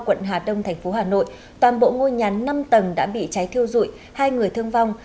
quận hà đông thành phố hà nội toàn bộ ngôi nhà năm tầng đã bị cháy thiêu dụi hai người thương vong